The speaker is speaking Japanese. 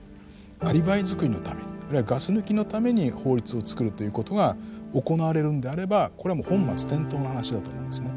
アリバイ作りのためにあるいはガス抜きのために法律を作るということが行われるんであればこれもう本末転倒な話だと思うんですね。